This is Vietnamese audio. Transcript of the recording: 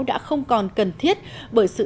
đã không còn cần thiết bởi sự